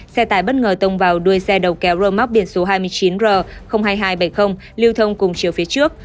xe tải bất ngờ tông vào đuôi xe đầu kéo rơ móc biển số hai mươi chín r hai nghìn hai trăm bảy mươi lưu thông cùng chiều phía trước